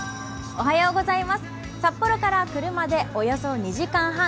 札幌から車でおよそ２時間半